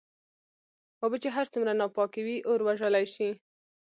اوبه چې هرڅومره ناپاکي وي اور وژلی شې.